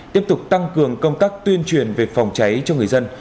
tiếp tục tăng cường công tác tuyên truyền về phòng cháy cho người dân